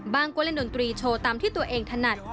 ก็เล่นดนตรีโชว์ตามที่ตัวเองถนัด